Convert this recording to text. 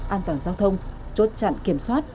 an toàn giao thông chốt chặn kiểm soát